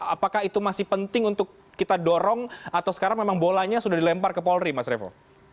apakah itu masih penting untuk kita dorong atau sekarang memang bolanya sudah dilempar ke polri mas revo